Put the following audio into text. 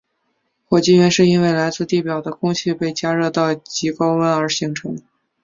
火积云是因为来自地表的空气被加热到极高温而形成。